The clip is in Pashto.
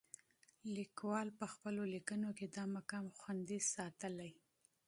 لیکوال په خپلو لیکنو کې دا مقام خوندي ساتلی.